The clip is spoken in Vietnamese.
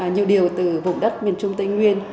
nhiều điều từ vùng đất miền trung tây nguyên